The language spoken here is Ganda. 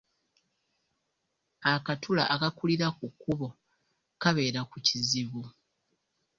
Akatula akakulira ku kkubo kabeera ku kizibu.